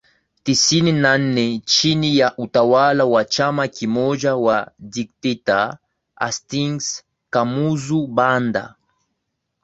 tisini na nne chini ya utawala wa chama kimoja wa dikteta Hastings Kamuzu Banda